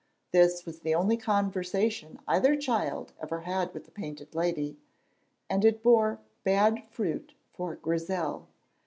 This was the only conversation either child ever had with the Painted Lady, and it bore bad fruit for Grizel.